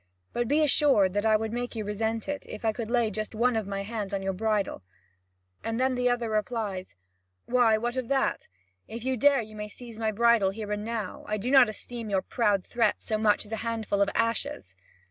But be assured that I would make you reset it, if I could just lay one of my hands on your bridle." And the other replies: "Why, what of that? If you dare, you may seize my bridle here and now. I do not esteem your proud threats so much as a handful of ashes."